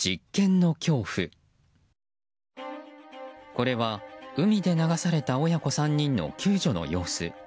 これは、海で流された親子３人の救助の様子。